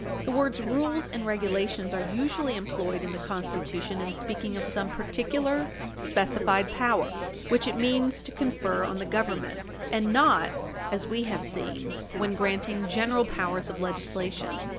The words "rules and regulations" are usually employed in the Constitution in speaking of some particular specified power which it means to confer on the Government, and not, as we have seen, when granting general powers of legislation.